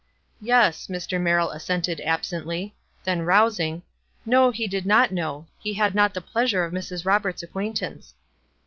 "Yes," Mr. Merrill assented, absently; then rousing, "No, he did not know. He had not the pleasure of Mrs. Roberts' acquaintance."